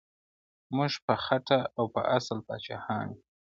موږ په خټه او په اصل پاچاهان یو؛